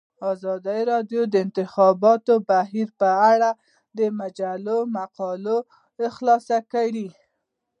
ازادي راډیو د د انتخاباتو بهیر په اړه د مجلو مقالو خلاصه کړې.